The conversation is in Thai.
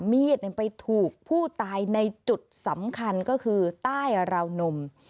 มีดไปถูกผู้ตายในจุดสำคัญก็คือใต้ราวนม